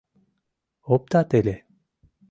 Оптат ыле.